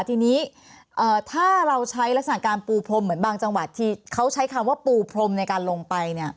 ทีนี้ถ้าเราใช้ลักษณะการปูพรมเหมือนบางจังหวัดที่เขาใช้คำว่าปูพรมในการลงไปเนี่ย